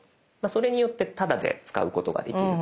それによってタダで使うことができる。